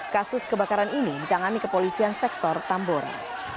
kasus kebakaran ini ditangani kepolisian sektor tambora